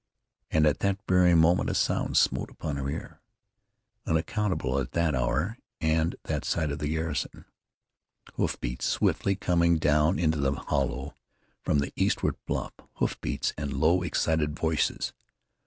And at that very moment a sound smote upon her ear, unaccountable at that hour and that side of the garrison hoofbeats swiftly coming down into the hollow from the eastward bluff, hoofbeats and low, excited voices.